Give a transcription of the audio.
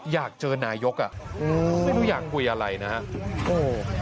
อยากเจอนายกอ่ะไม่รู้อยากคุยอะไรนะครับ